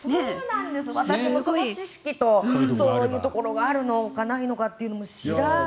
私もその知識とそういうところがあるのかないのかってところも知らなくて。